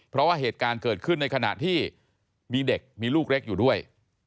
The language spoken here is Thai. เพราะว่าเหตุการณ์เกิดขึ้นในขณะที่มีเด็กมีลูกเล็กอยู่ด้วย